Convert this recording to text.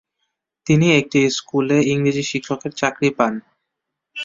তিনি একটি স্কুলে ইংরেজি শিক্ষকের চাকরি পান।